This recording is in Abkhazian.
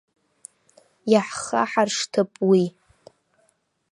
Иаҳхаҳаршҭып уи.